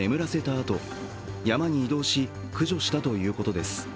あと山に移動し、駆除したということです。